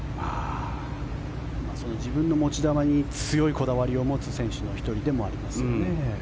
自分の持ち球に強いこだわりを持つ選手の１人でもありますよね。